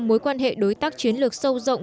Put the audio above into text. mối quan hệ đối tác chiến lược sâu rộng